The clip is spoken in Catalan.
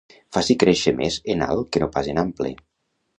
Faci créixer més en alt que no pas en ample.